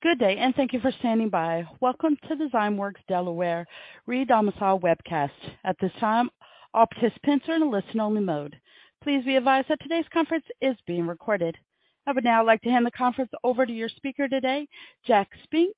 Good day, and thank you for standing by. Welcome to the Zymeworks Delaware redomicile webcast. At this time, all participants are in a listen-only mode. Please be advised that today's conference is being recorded. I would now like to hand the conference over to your speaker today, Jack Spinks,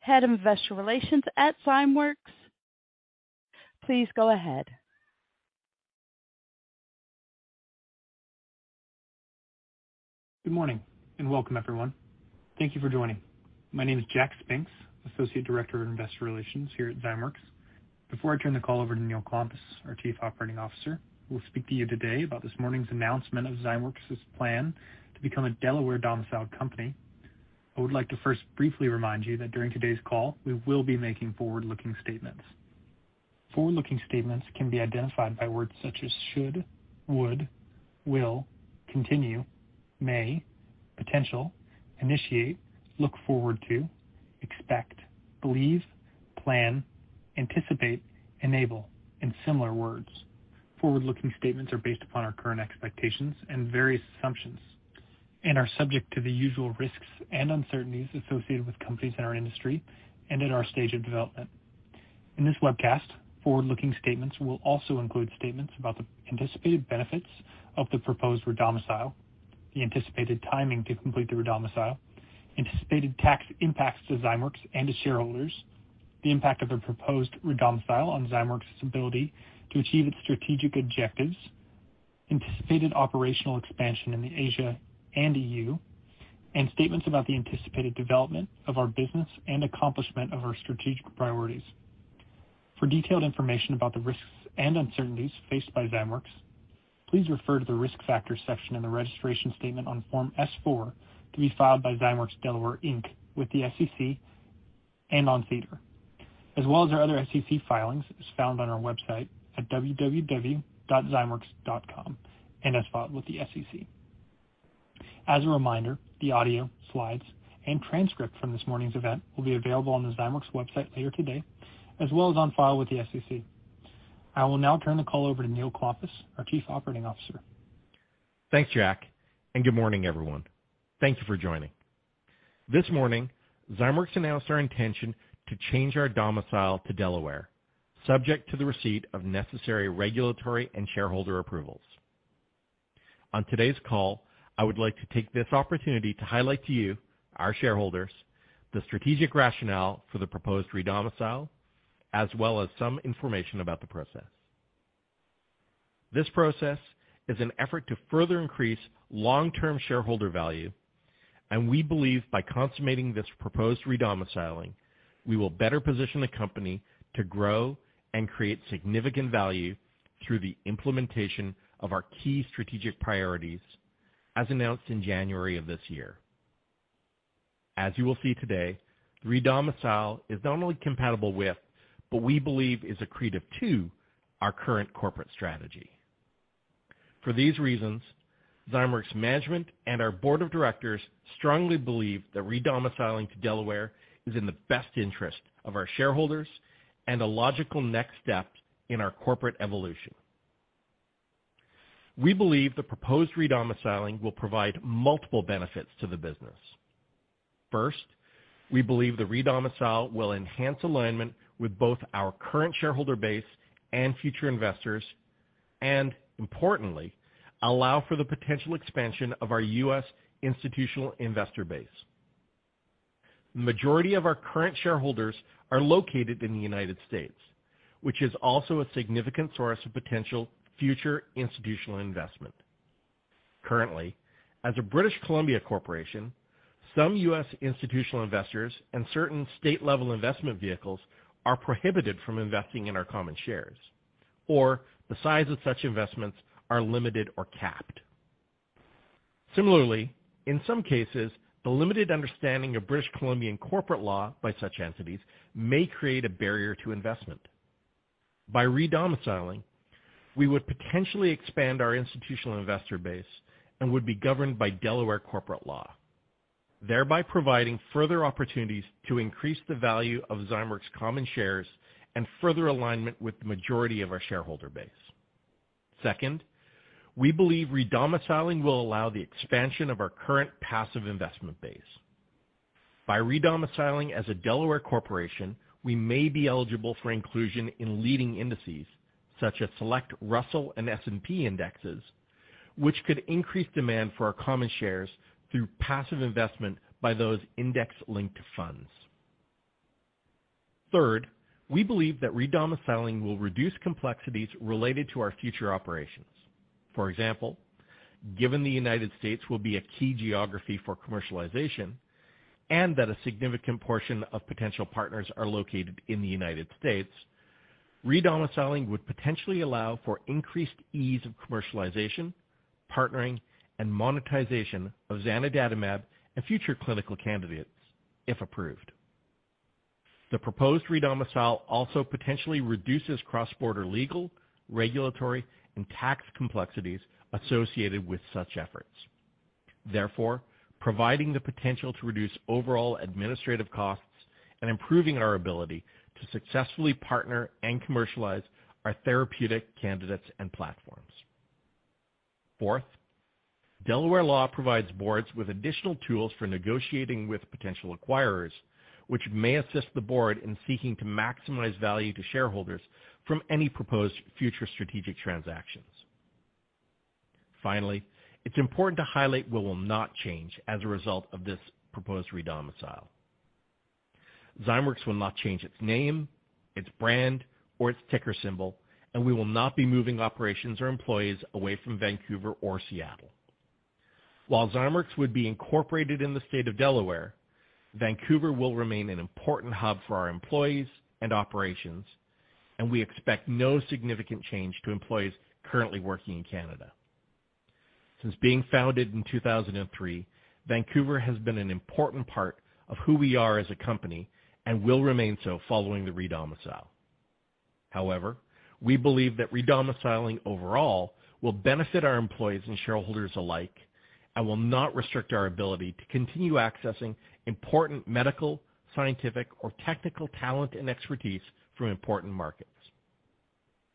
Head of Investor Relations at Zymeworks. Please go ahead. Good morning and welcome, everyone. Thank you for joining. My name is Jack Spinks, Associate Director of Investor Relations here at Zymeworks. Before I turn the call over to Neil Klompas, our Chief Operating Officer, who will speak to you today about this morning's announcement of Zymeworks' plan to become a Delaware-domiciled company, I would like to first briefly remind you that during today's call, we will be making forward-looking statements. Forward-looking statements can be identified by words such as should, would, will, continue, may, potential, initiate, look forward to, expect, believe, plan, anticipate, enable and similar words. Forward-looking statements are based upon our current expectations and various assumptions and are subject to the usual risks and uncertainties associated with companies in our industry and at our stage of development. In this webcast, forward-looking statements will also include statements about the anticipated benefits of the proposed redomicile, the anticipated timing to complete the redomicile, anticipated tax impacts to Zymeworks and to shareholders, the impact of a proposed redomicile on Zymeworks' ability to achieve its strategic objectives, anticipated operational expansion in the Asia and EU, and statements about the anticipated development of our business and accomplishment of our strategic priorities. For detailed information about the risks and uncertainties faced by Zymeworks, please refer to the Risk Factors section in the registration statement on Form S-4 to be filed by Zymeworks Delaware Inc. with the SEC and on SEDAR, as well as our other SEC filings, as found on our website at www.zymeworks.com and as filed with the SEC. As a reminder, the audio, slides, and transcript from this morning's event will be available on the Zymeworks website later today, as well as on file with the SEC. I will now turn the call over to Neil Klompas, our Chief Operating Officer. Thanks, Jack, and good morning, everyone. Thank you for joining. This morning, Zymeworks announced our intention to change our domicile to Delaware, subject to the receipt of necessary regulatory and shareholder approvals. On today's call, I would like to take this opportunity to highlight to you, our shareholders, the strategic rationale for the proposed redomicile, as well as some information about the process. This process is an effort to further increase long-term shareholder value, and we believe by consummating this proposed redomiciling, we will better position the company to grow and create significant value through the implementation of our key strategic priorities as announced in January of this year. As you will see today, redomicile is not only compatible with, but we believe is accretive to our current corporate strategy. For these reasons, Zymeworks management and our Board of Directors strongly believe that redomiciling to Delaware is in the best interest of our shareholders and a logical next step in our corporate evolution. We believe the proposed redomiciling will provide multiple benefits to the business. First, we believe the redomicile will enhance alignment with both our current shareholder base and future investors and, importantly, allow for the potential expansion of our U.S. institutional investor base. Majority of our current shareholders are located in the United States, which is also a significant source of potential future institutional investment. Currently, as a British Columbia corporation, some U.S. institutional investors and certain state-level investment vehicles are prohibited from investing in our common shares, or the size of such investments are limited or capped. Similarly, in some cases, the limited understanding of British Columbia corporate law by such entities may create a barrier to investment. By redomiciling, we would potentially expand our institutional investor base and would be governed by Delaware corporate law, thereby providing further opportunities to increase the value of Zymeworks' common shares and further alignment with the majority of our shareholder base. Second, we believe redomiciling will allow the expansion of our current passive investment base. By redomiciling as a Delaware corporation, we may be eligible for inclusion in leading indices such as select Russell and S&P indexes, which could increase demand for our common shares through passive investment by those index linked funds. Third, we believe that redomiciling will reduce complexities related to our future operations. For example, given the United States will be a key geography for commercialization and that a significant portion of potential partners are located in the United States, redomiciling would potentially allow for increased ease of commercialization, partnering, and monetization of zanidatamab and future clinical candidates, if approved. The proposed redomicile also potentially reduces cross-border legal, regulatory, and tax complexities associated with such efforts, therefore providing the potential to reduce overall administrative costs and improving our ability to successfully partner and commercialize our therapeutic candidates and platforms. Fourth, Delaware law provides boards with additional tools for negotiating with potential acquirers, which may assist the board in seeking to maximize value to shareholders from any proposed future strategic transactions. Finally, it's important to highlight what will not change as a result of this proposed re-domicile. Zymeworks will not change its name, its brand, or its ticker symbol, and we will not be moving operations or employees away from Vancouver or Seattle. While Zymeworks would be incorporated in the state of Delaware, Vancouver will remain an important hub for our employees and operations, and we expect no significant change to employees currently working in Canada. Since being founded in 2003, Vancouver has been an important part of who we are as a company and will remain so following the re-domicile. However, we believe that re-domiciling overall will benefit our employees and shareholders alike and will not restrict our ability to continue accessing important medical, scientific or technical talent and expertise from important markets.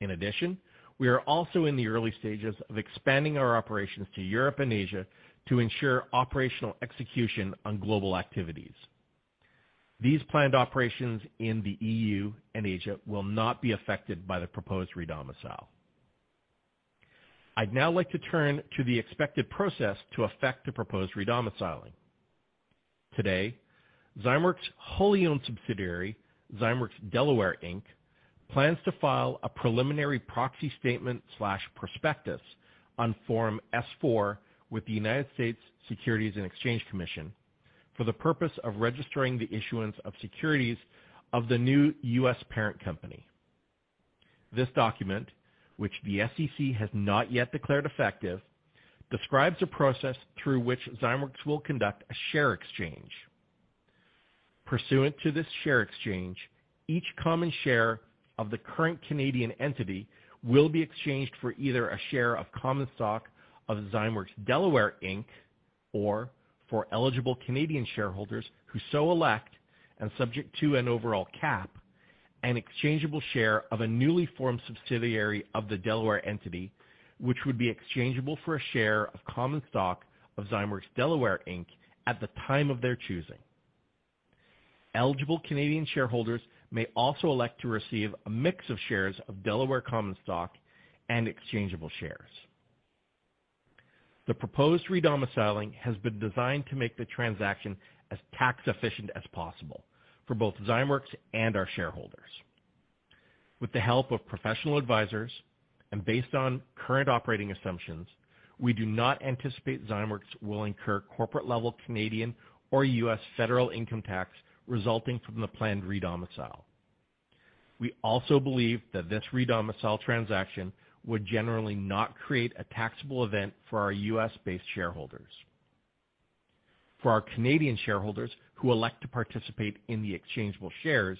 In addition, we are also in the early stages of expanding our operations to Europe and Asia to ensure operational execution on global activities. These planned operations in the EU and Asia will not be affected by the proposed re-domicile. I'd now like to turn to the expected process to affect the proposed re-domiciling. Today, Zymeworks wholly owned subsidiary, Zymeworks Delaware Inc, plans to file a preliminary proxy statement/prospectus on Form S-4 with the United States Securities and Exchange Commission for the purpose of registering the issuance of securities of the new U.S. parent company. This document, which the SEC has not yet declared effective, describes a process through which Zymeworks will conduct a share exchange. Pursuant to this share exchange, each common share of the current Canadian entity will be exchanged for either a share of common stock of Zymeworks Delaware Inc., or for eligible Canadian shareholders who so elect, and subject to an overall cap, an exchangeable share of a newly formed subsidiary of the Delaware entity, which would be exchangeable for a share of common stock of Zymeworks Delaware Inc. at the time of their choosing. Eligible Canadian shareholders may also elect to receive a mix of shares of Delaware common stock and exchangeable shares. The proposed re-domiciling has been designed to make the transaction as tax efficient as possible for both Zymeworks and our shareholders. With the help of professional advisors and based on current operating assumptions, we do not anticipate Zymeworks will incur corporate-level Canadian or U.S. federal income tax resulting from the planned re-domicile. We also believe that this re-domicile transaction would generally not create a taxable event for our U.S.-based shareholders. For our Canadian shareholders who elect to participate in the exchangeable shares,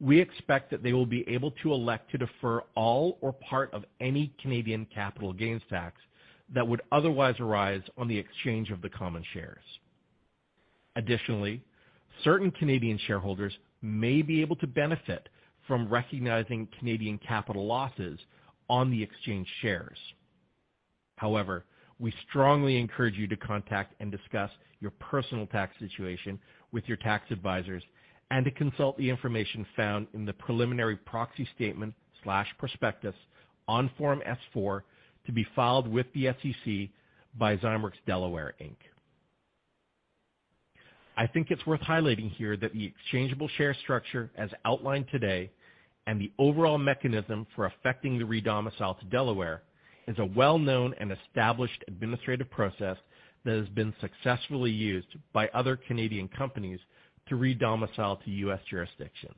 we expect that they will be able to elect to defer all or part of any Canadian capital gains tax that would otherwise arise on the exchange of the common shares. Additionally, certain Canadian shareholders may be able to benefit from recognizing Canadian capital losses on the exchange shares. However, we strongly encourage you to contact and discuss your personal tax situation with your tax advisors and to consult the information found in the preliminary proxy statement/prospectus on Form S-4 to be filed with the SEC by Zymeworks Delaware Inc. I think it's worth highlighting here that the exchangeable share structure as outlined today and the overall mechanism for effecting the re-domicile to Delaware is a well-known and established administrative process that has been successfully used by other Canadian companies to re-domicile to U.S. jurisdictions.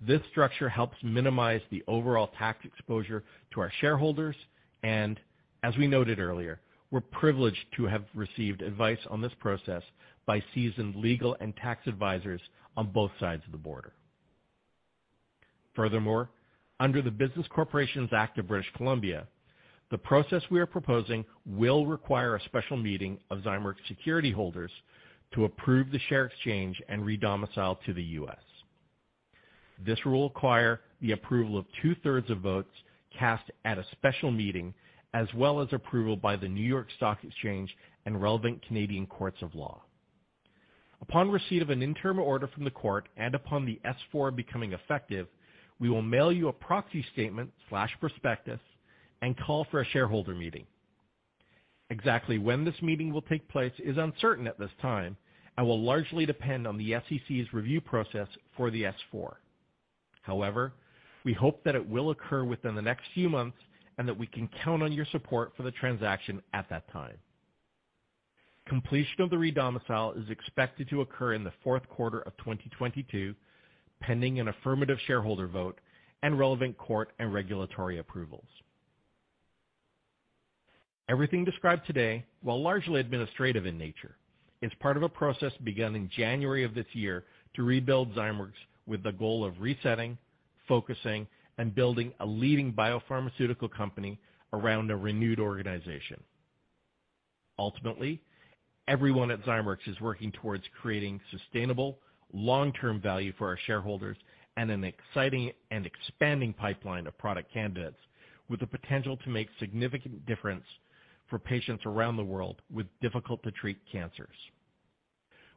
This structure helps minimize the overall tax exposure to our shareholders, and as we noted earlier, we're privileged to have received advice on this process by seasoned legal and tax advisors on both sides of the border. Furthermore, under the Business Corporations Act of British Columbia, the process we are proposing will require a special meeting of Zymeworks security holders to approve the share exchange and re-domicile to the U.S. This will require the approval of two-thirds of votes cast at a special meeting, as well as approval by the New York Stock Exchange and relevant Canadian courts of law. Upon receipt of an interim order from the Court, and upon the Form S-4 becoming effective, we will mail you a proxy statement/prospectus and call for a shareholder meeting. Exactly when this meeting will take place is uncertain at this time and will largely depend on the SEC's review process for the Form S-4. However, we hope that it will occur within the next few months and that we can count on your support for the transaction at that time. Completion of the re-domicile is expected to occur in the fourth quarter of 2022, pending an affirmative shareholder vote and relevant court and regulatory approvals. Everything described today, while largely administrative in nature, is part of a process begun in January of this year to rebuild Zymeworks with the goal of resetting, focusing, and building a leading biopharmaceutical company around a renewed organization. Ultimately, everyone at Zymeworks is working towards creating sustainable long-term value for our shareholders and an exciting and expanding pipeline of product candidates with the potential to make significant difference for patients around the world with difficult to treat cancers.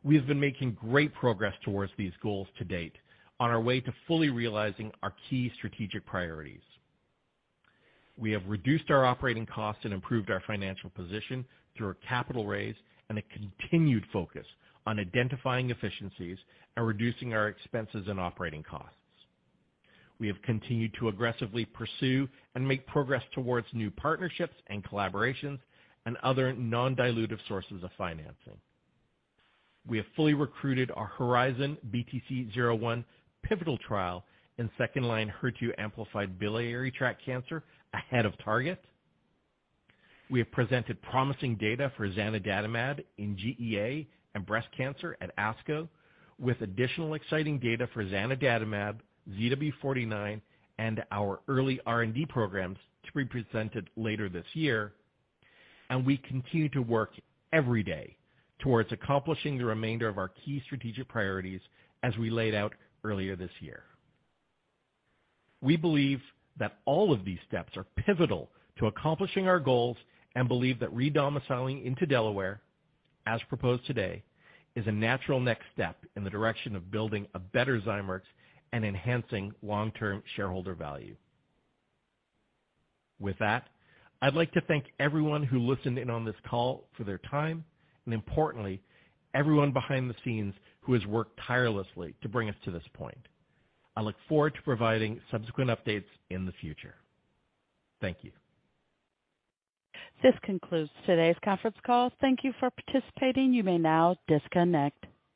We have been making great progress towards these goals to date on our way to fully realizing our key strategic priorities. We have reduced our operating costs and improved our financial position through our capital raise and a continued focus on identifying efficiencies and reducing our expenses and operating costs. We have continued to aggressively pursue and make progress towards new partnerships and collaborations and other non-dilutive sources of financing. We have fully recruited our HERIZON-BTC-01 pivotal trial in second-line HER2-amplified biliary tract cancer ahead of target. We have presented promising data for zanidatamab in GEA and breast cancer at ASCO, with additional exciting data for zanidatamab, ZW49, and our early R&D programs to be presented later this year. We continue to work every day towards accomplishing the remainder of our key strategic priorities as we laid out earlier this year. We believe that all of these steps are pivotal to accomplishing our goals and believe that re-domiciling into Delaware, as proposed today, is a natural next step in the direction of building a better Zymeworks and enhancing long-term shareholder value. With that, I'd like to thank everyone who listened in on this call for their time, and importantly, everyone behind the scenes who has worked tirelessly to bring us to this point. I look forward to providing subsequent updates in the future. Thank you. This concludes today's conference call. Thank you for participating. You may now disconnect.